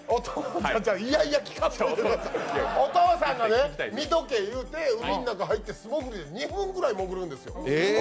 お父さんがね、見とけって言って海の中に入って素もぐり２分ぐらいり、もぐるんですよ。